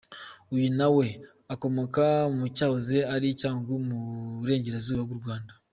Uyu nawe, akomoka mu cyahoze ari Cyangugu mu burengerazuba bw’u Rwanda.